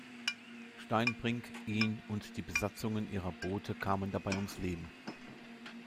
Steinbrinck, Ihn und die Besatzungen ihrer Boote kamen dabei ums Leben.